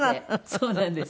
そうなんです。